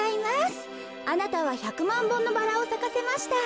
あなたは１００まんぼんのバラをさかせました。